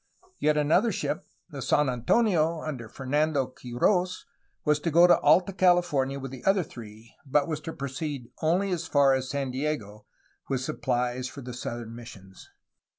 Yet another ship, the San Antonio, under Fernando Quir6s, was to go to Alta California with the other three, but was to proceed only as far as San Diego, with supplies for the southern missions.